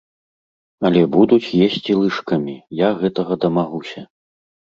Але будуць есці лыжкамі, я гэтага дамагуся.